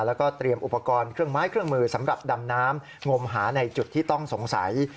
แล้วก็เตรียมอุปกรณ์เครื่องไม้เครื่องมือสำหรับดำน้ำงมหาในจุดที่ต้องสงสัย